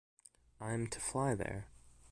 I'm to fly there.